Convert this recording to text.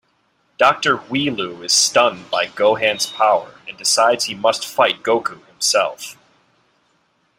Doctor Wheelo is stunned by Gohan's power and decides he must fight Goku himself.